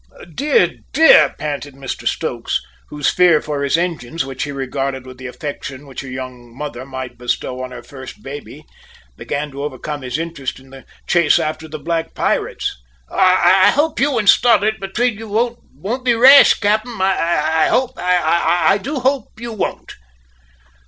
"Dear, dear," panted Mr Stokes, whose fears for his engines, which he regarded with the affection which a young mother might bestow on her first baby, began to overcome his interest in the chase after the black pirates. "I hope you and Stoddart, between you, won't be rash, cap'en. I hope I do hope you won't!"